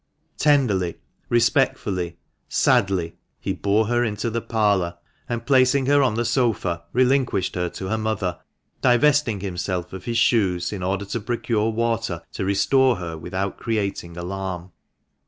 Tenderly, respectfully, sadly, he bore her into the parlour, and placing her on the sofa, relinquished her to her mother, divesting himself of his shoes in order to procure water to restore her without creating alarm.